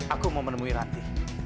aku mau menemui ranti